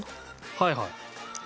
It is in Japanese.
はいはい。